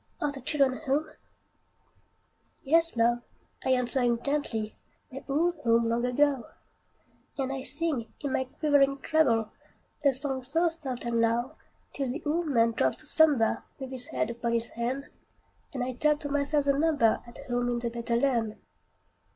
are the children home?" "Yes, love!" I answer him gently, "They're all home long ago;" And I sing, in my quivering treble, A song so soft and low, Till the old man drops to slumber, With his head upon his hand, And I tell to myself the number At home in the better land.